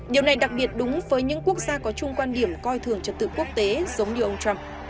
điều này đặc biệt đúng với những quốc gia có chung quan điểm coi thường trật tự quốc tế giống như ông trump